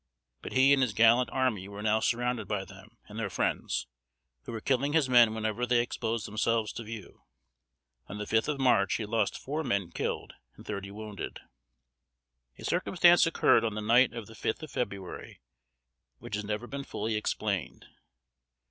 But he and his gallant army were now surrounded by them and their friends, who were killing his men whenever they exposed themselves to view. On the fifth of March, he had lost four men killed and thirty wounded. A circumstance occurred on the night of the fifth of February, which has never been fully explained.